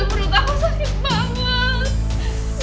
menurut aku sakit banget